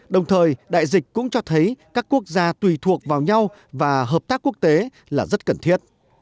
đồng thời đại dịch cũng cho thấy các quốc gia tùy thuộc vào nhau và hợp tác quốc tế là rất cần thiết